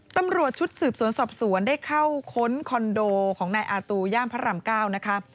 ตำรวจชุดสืบสวนศัพท์ศรวนได้เข้าคนดอิลล์ของนายอาตูย่านพระราม๙